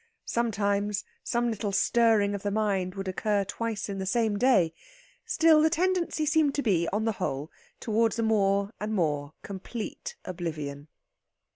Sometimes some little stirring of the mind would occur twice in the same day; still, the tendency seemed to be, on the whole, towards a more and more complete oblivion.